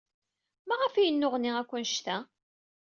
Maɣef ay yenneɣni akk anect-a?